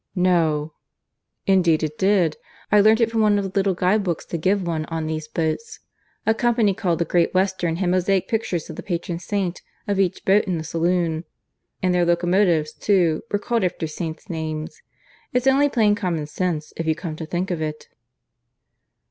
"No!" "Indeed it did! I learnt it from one of the little guide books they give one on these boats. A company called the Great Western had mosaic pictures of the patron saint of each boat in the saloon. And their locomotives, too, were called after saints' names. It's only plain common sense, if you come to think of it."